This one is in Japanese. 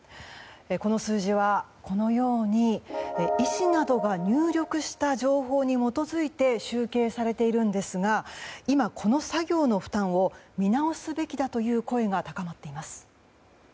この数字は、このように医師などが入力した情報に基づいて集計されているんですが今、この作業の負担を見直すべきだという声が高まっています。